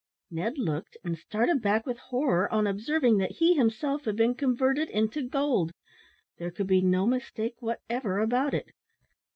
Ned looked, and started back with horror on observing that he himself had been converted into gold. There could be no mistake whatever about it.